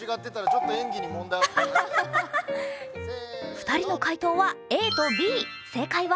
二人の回答はＡとＢ正解は？